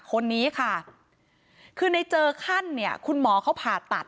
คนนี้ค่ะคือในเจอขั้นเนี่ยคุณหมอเขาผ่าตัด